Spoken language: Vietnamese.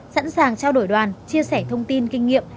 sẵn sàng trao đổi đoàn chia sẻ thông tin kinh nghiệm